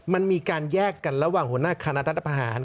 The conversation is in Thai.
มันมีการแยกกันระหว่างหัวหน้าคณะรัฐพาหาร